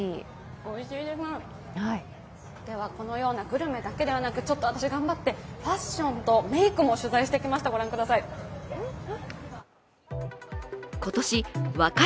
このようなグルメだけではなく、私、頑張ってファッションとメイクも取材してきましたご覧ください。